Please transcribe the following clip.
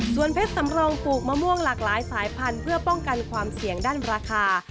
ส่วนเพชรสำรองปลูกมะม่วงหลากหลายสายพันธุ์เพื่อป้องกันความเสี่ยงด้านราคา